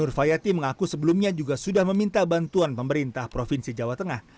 nur fayati mengaku sebelumnya juga sudah meminta bantuan pemerintah provinsi jawa tengah